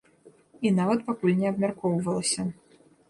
І нават пакуль не абмяркоўвалася.